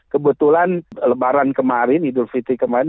kebetulan lebaran kemarin idul fitri kemarin